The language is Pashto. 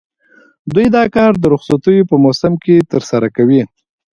دوی دا کار د رخصتیو په موسم کې ترسره کوي